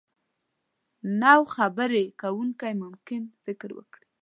نو خبرې کوونکی ممکن فکر وکړي.